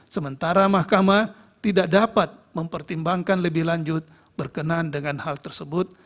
sementara mahkamah tidak dapat mempertimbangkan lebih lanjut berkenan dengan hal tersebut